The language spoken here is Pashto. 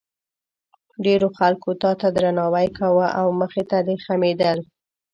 ډېرو خلکو تا ته درناوی کاوه او مخې ته دې خمېدل.